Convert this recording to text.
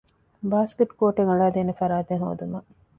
ބާސްކެޓް ކޯޓެއް އަޅައިދޭނެ ފަރާތެއް ހޯދުމަށް